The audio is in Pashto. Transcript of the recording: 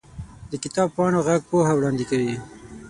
د کتاب پاڼو ږغ پوهه وړاندې کوي.